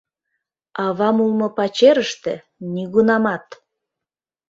— Авам улмо пачерыште — нигунамат!